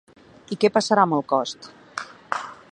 I què passarà amb el cost?